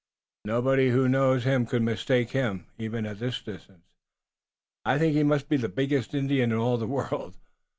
"Nobody who knows him could mistake him, even at this distance. I think he must be the biggest Indian in all the world."